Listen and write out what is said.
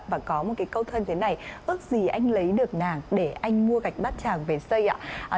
và có một cái câu thân thế này ước gì anh lấy được nàng để anh mua gạch bát tràng về xây ạ